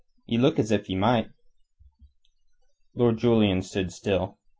Ye look as if ye might." Lord Julian stood still.